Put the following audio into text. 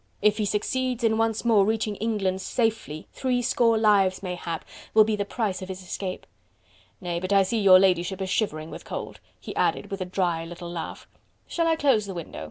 If he succeeds in once more reaching England safely three score lives mayhap will be the price of his escape.... Nay! but I see your ladyship is shivering with cold..." he added with a dry little laugh, "shall I close the window?